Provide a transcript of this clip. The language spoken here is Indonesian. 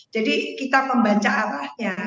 jadi kita membaca arahnya